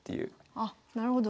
あっなるほど。